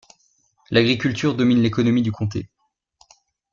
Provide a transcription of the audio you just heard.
L'agriculture domine l'économie du comté.